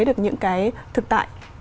được những cái thực tại